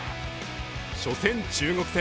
初戦、中国戦。